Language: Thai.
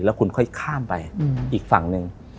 แล้วคุณค่อยข้ามไปอีกฝั่งหนึ่ง